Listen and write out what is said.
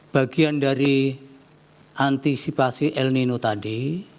bagian dari antisipasi el nino tadi